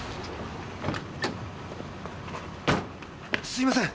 すいません！